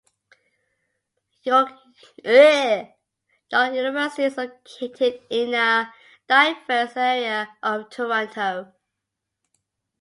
York University is located in a diverse area of Toronto.